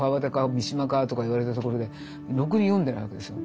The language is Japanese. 三島か？」とか言われたところでろくに読んでないわけですよ。